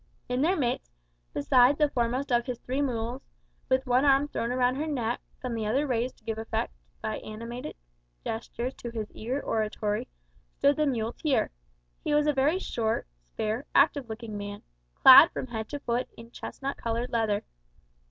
In their midst, beside the foremost of his three mules, with one arm thrown round her neck and the other raised to give effect by animated gestures to his eager oratory, stood the muleteer. He was a very short, spare, active looking man, clad from head to foot in chestnut coloured leather.